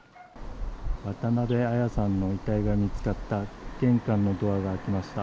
渡邉彩さんの遺体が見つかった玄関のドアが開きました。